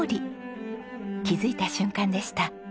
気づいた瞬間でした。